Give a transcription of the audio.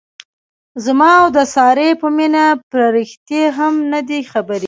زما او د سارې په مینه پریښتې هم نه دي خبرې.